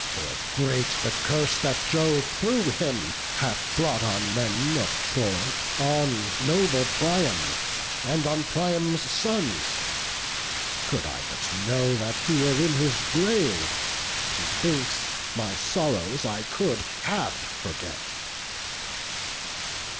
for great the curse That Jove thro' him hath brought on men of Troy, On noble Priam, and on Priam's sons. Could I but know that he were in his grave, Methinks my sorrows I could half forget."